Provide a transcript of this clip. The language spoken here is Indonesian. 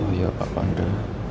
oh iya pak panda